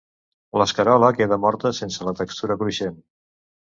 l'escarola queda morta, sense la textura cruixent